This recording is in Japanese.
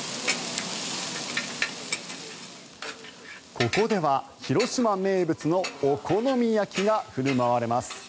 ここでは広島名物のお好み焼きが振る舞われます。